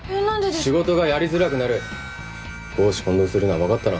仕事がやりづらくなる公私混同するな分かったな？